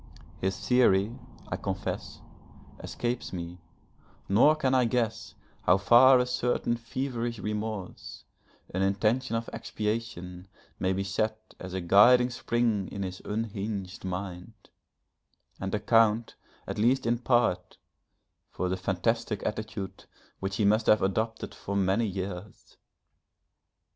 His theory, I confess, escapes me, nor can I guess how far a certain feverish remorse, an intention of expiation may be set as a guiding spring in his unhinged mind, and account, at least in part, for the fantastic attitude which he must have adopted for many years.